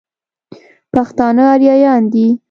پښتانه اريايان دي.